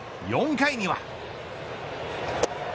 ４回には。